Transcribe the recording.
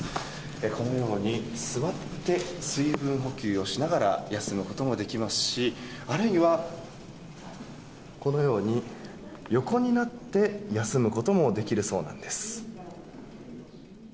このように座って水分補給をしながら休むこともできますしあるいは、このように横になって休むこともできるそうなんです。